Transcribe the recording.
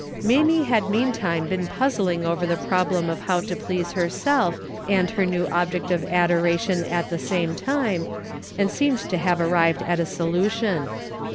Mamie had meantime been puzzling over the problem of how to please herself and her new object of adoration at the same time, and seemed to have arrived at a solution.